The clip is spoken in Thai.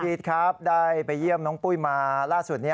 ครับได้ไปเยี่ยมน้องปุ้ยมาล่าสุด